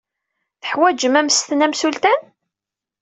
Teḥwajem ammesten amsultan?